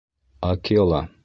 — Акела!